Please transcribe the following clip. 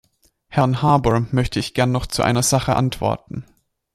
Herrn Harbour möchte ich gern noch zu einer Sache antworten.